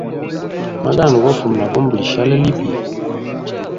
Magani gofuma na vumba lishali libi.